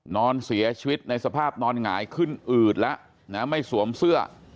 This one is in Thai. นอนเสียชีวิตในสภาพนอนหงายขึ้นอืดแล้วไม่สวมเสื้อ